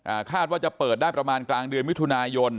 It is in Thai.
คาดว่าจะเปิดได้ประมาณกลางเดือนมิถุนายน